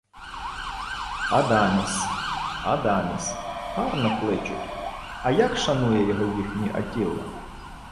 — Адаміс... Адаміс... Гарно кличуть. А як шанує його їхній Аттіла?